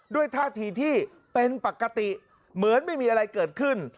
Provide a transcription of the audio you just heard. ท่าทีที่เป็นปกติเหมือนไม่มีอะไรเกิดขึ้น